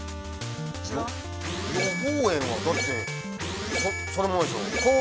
◆予報円はだって、そのままでしょう。